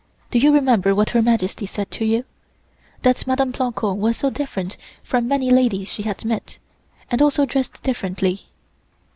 Do you remember what Her Majesty said to you? 'That Mdme. Plancon was so different from many ladies she had met, and also dressed differently.'"